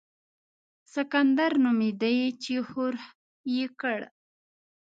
سکندر نومېدی چې ښورښ یې کړ.